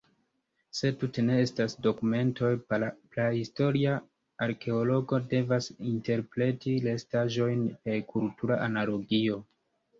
Se tute ne estas dokumentoj, prahistoria arkeologo devas interpreti restaĵojn per kultura analogio.